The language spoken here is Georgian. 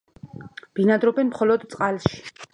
ბინადრობენ მხოლოდ წყალში.